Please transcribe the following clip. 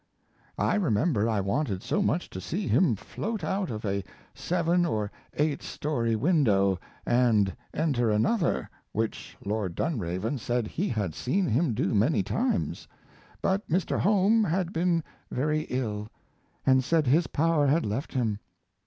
I remember I wanted so much to see him float out of a seven or eight story window, and enter another, which Lord Dunraven said he had seen him do many times. But Mr. Home had been very ill, and said his power had left him.